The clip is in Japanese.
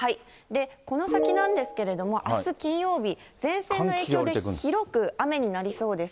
この先なんですけれども、あす金曜日、前線の影響で広く雨になりそうです。